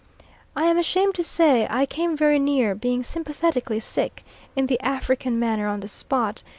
I am ashamed to say I came very near being sympathetically sick in the African manner on the spot.